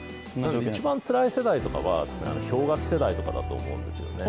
一番つらい世代とかは氷河期世代だと思うんですね。